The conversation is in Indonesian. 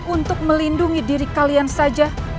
untuk melindungi diri kalian saja